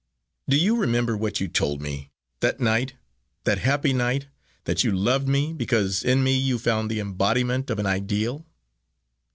Do you remember what you told me, that night that happy night that you loved me because in me you found the embodiment of an ideal?